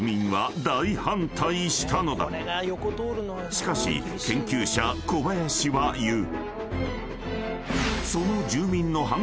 ［しかし研究者小林は言う］